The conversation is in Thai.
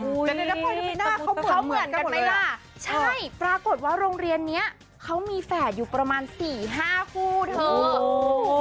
เหมือนกันหมดเลยล่ะใช่ปรากฏว่าโรงเรียนนี้เขามีแฝดอยู่ประมาณสี่ห้าคู่เธอโอ้โห